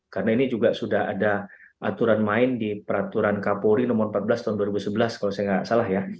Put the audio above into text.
karena ini juga sudah ada aturan main di peraturan k polri nomor empat belas tahun dua ribu sebelas kalau saya nggak salah ya